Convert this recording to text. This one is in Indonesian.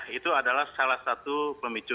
itu adalah salah satu pemicu